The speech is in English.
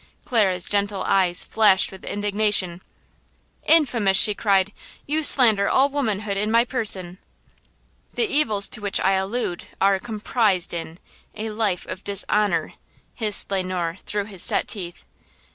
Clara's gentle eyes flashed with indignation. "Infamous!" she cried. "You slander all womanhood in my person!" "The evils to which I allude are–comprised in–a life of dishonor!" hissed Le Noir through his set teeth.